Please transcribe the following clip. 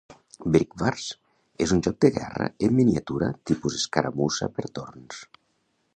"BrikWars" és un joc de guerra en miniatura tipus escaramussa per torns.